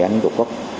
anh tổ quốc